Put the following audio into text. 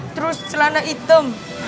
terus celana hitam